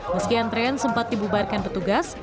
meski antrean sempat dibubarkan petugas